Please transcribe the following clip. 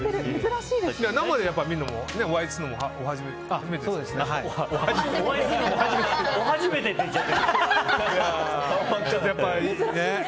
生で見るのもお会いするのもお初めてですよね。